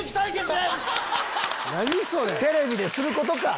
何それ⁉テレビですることか！